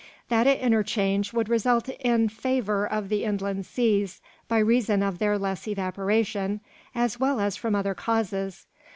That interchange would result in favour of the inland seas, by reason of their less evaporation, as well as from other causes.